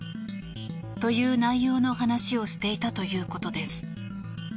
という内容の話をしていたということです。